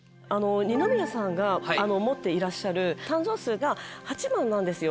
二宮さんが持っていらっしゃる誕生数が８番なんですよ